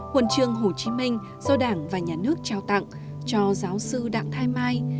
huần chương hồ chí minh do đảng và nhà nước trao tặng cho giáo sư đặng thái mai